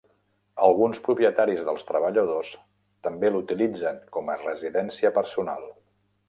Alguns propietaris dels treballadors també l'utilitzen com a residència personal.